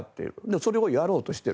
それをやろうとしている。